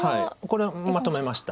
これはまとめました。